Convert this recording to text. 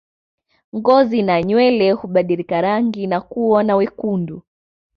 Ngozi na nywele hubadilika rangi na kuwa na wekundu